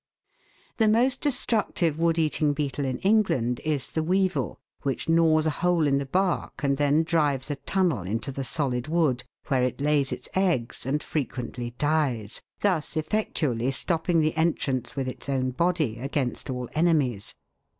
The most destructive wood eating beetle in England is the weevil, which gnaws a hole in the bark and then drives a tunnel into the solid wood, where it lays its eggs and frequently dies, thus effectually stopping the entrance with its own body against all enemies.